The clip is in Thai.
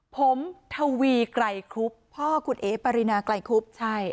ผมทวีไกรครุบพ่อคุณเอ๋ปรินาไกลคุบใช่